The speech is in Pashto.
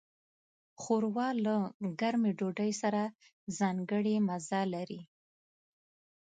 ښوروا له ګرمې ډوډۍ سره ځانګړی مزه لري.